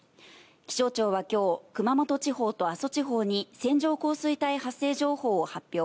気象庁はきょう、熊本地方と阿蘇地方に線状降水帯発生情報を発表。